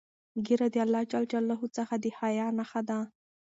ږیره د الله جل جلاله څخه د حیا نښه ده.